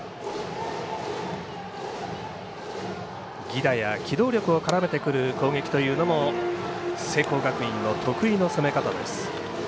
犠打や機動力を絡めてくる攻撃というのも聖光学院の得意の攻め方です。